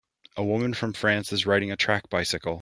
A woman from France is riding a track bicycle.